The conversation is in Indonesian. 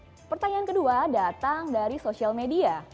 bagaimana caranya meningkatkan penghasilan di tengah pandemi yang tidak juga selesai